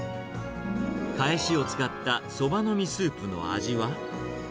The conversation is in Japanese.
かえしを使ったそばの実スープの味は。